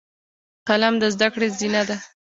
قلم د زده کړې زینه ده